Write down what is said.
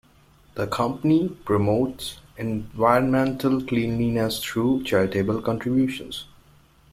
The Company promotes environmental cleanliness through charitable contributions.